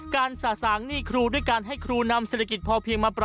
สะสางหนี้ครูด้วยการให้ครูนำเศรษฐกิจพอเพียงมาปรับ